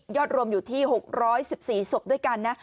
รวมอยู่ที่๖๑๔ศพด้วยกันนะ